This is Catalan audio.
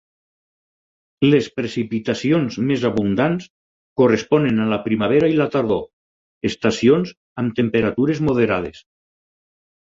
Les precipitacions més abundants corresponen a la primavera i la tardor, estacions amb temperatures moderades.